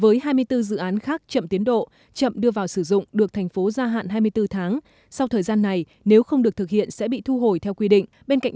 với hai mươi bốn dự án khác chậm tiến độ chậm đưa vào sử dụng được thành phố gia hạn hai mươi bốn tháng sau thời gian này nếu không được thực hiện sẽ bị thu hồi theo quy định